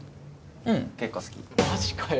うん結構好きマジかよ